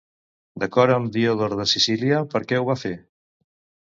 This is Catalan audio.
D'acord amb Diodor de Sicília, per què ho va fer?